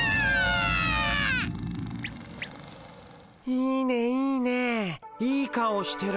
いいねいいねいい顔してる。